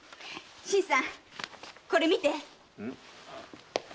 新さんこれ見て。